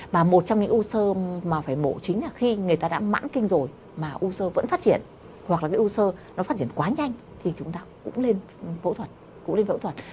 mà phải mổ chính là khi người ta đã mãn kinh rồi mà u sơ vẫn phát triển hoặc là cái u sơ nó phát triển quá nhanh thì chúng ta cũng lên phẫu thuật